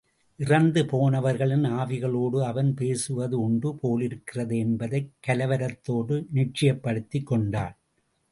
இறந்து போனவர்களின் ஆவிகளோடு அவன் பேசுவது உண்டு போலிருக்கிறது என்பதை கலவரத்தோடு நிச்சயப் படுத்திக் கொண்டாள்.